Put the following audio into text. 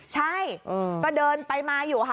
ใช่ก็เดินไปมาอยู่ค่ะ